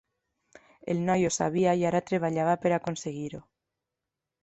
El noi ho sabia i ara treballava per aconseguir-ho.